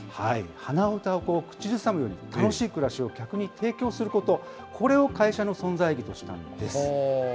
鼻歌を口ずさむように楽しい暮らしを客に提供すること、これを会社の存在意義としたんです。